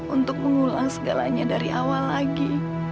untuk mengulang segalanya dari awal lagi